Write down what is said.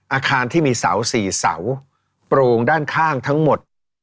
อาคารที่มีเสา๔เสาโปรงด้านข้างทั้งหมด